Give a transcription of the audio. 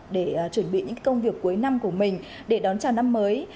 để chuẩn bị những công việc cuối năm của mình để đón chào năm mới